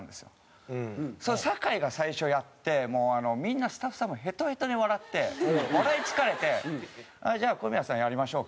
酒井が最初やってもうみんなスタッフさんもヘトヘトに笑って笑い疲れて「じゃあ小宮さんやりましょうか」